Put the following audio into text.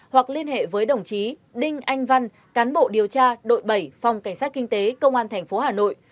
hoặc liên hệ với đồng chí đinh anh văn cán bộ điều tra đội bảy phòng cảnh sát kinh tế công an tp hà nội